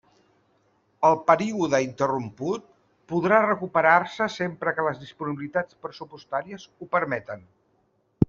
El període interromput podrà recuperar-se sempre que les disponibilitats pressupostàries ho permeten.